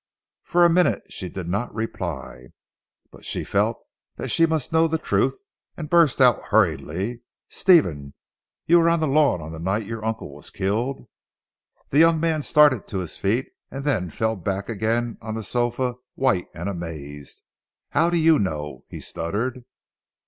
For a minute she did not reply. But she felt that she must know the truth, and burst out hurriedly "Stephen! You were on the lawn on the night your uncle was killed!" The young man started to his feet, and then fell back again on the sofa white, and amazed. "How do know?" he stuttered.